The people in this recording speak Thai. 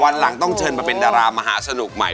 วันหลังต้องเชิญมาเป็นดารามหาสนุกใหม่